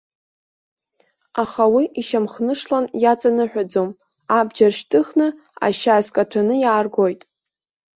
Аха уи ишьамхнышлан иаҵаныҳәаӡом, абџьар шьҭыхны, ашьа азкаҭәаны иааргоит!